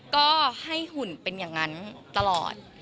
ก็ให้หุ่นเป็นอย่างนั้นตลอด